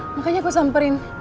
makanya aku samperin